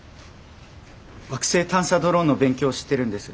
惑星探査ドローンの勉強をしてるんです。